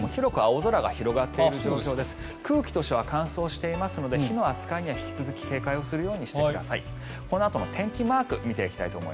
空気としては乾燥していますので火の扱いには引き続き警戒するようにしてください。